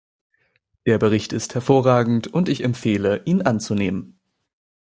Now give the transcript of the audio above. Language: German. Der Bericht ist hervorragend und ich empfehle, ihn anzunehmen.